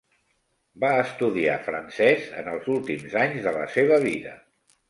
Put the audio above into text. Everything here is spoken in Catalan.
Va estudiar francès en els últims anys de la seva vida.